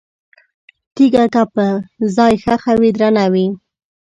تیګه که په ځای ښخه وي، درنه وي؛